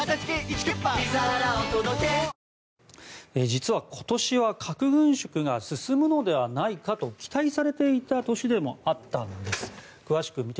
実は今年は核軍縮が進むのではないかと期待されていた年でもあったんです。